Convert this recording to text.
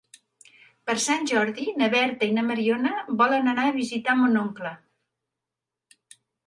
Per Sant Jordi na Berta i na Mariona volen anar a visitar mon oncle.